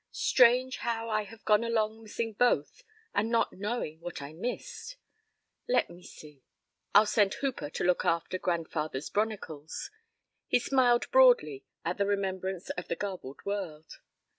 Strange how I have gone along missing both and not knowing what I missed. Let me see. I'll send Hooper to look after grandfather's 'bronicles;' he smiled broadly at the remembrance of the garbled word.